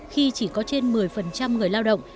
khi chỉ có trên một mươi người lao động